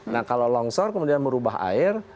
nah kalau longsor kemudian merubah air